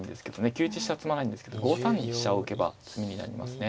９一飛車は詰まないんですけど５三に飛車を浮けば詰みになりますね。